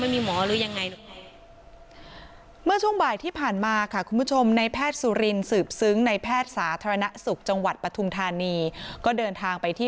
หมอหรือยังไงเมื่อช่วงบ่ายที่ผ่านมาค่ะคุณผู้ชมในแพทย์สุรินสืบซึ้งในแพทย์สาธารณสุขจังหวัดปฐุมธานีก็เดินทางไปที่